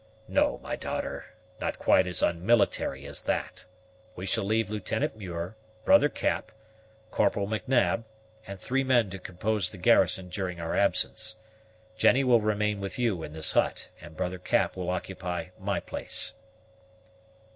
"No, my daughter; not quite as unmilitary as that. We shall leave Lieutenant Muir, brother Cap, Corporal M'Nab, and three men to compose the garrison during our absence. Jennie will remain with you in this hut, and brother Cap will occupy my place."